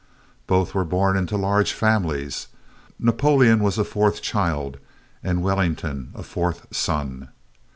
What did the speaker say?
Both were born into large families. Napoleon was a fourth child and Wellington a fourth son.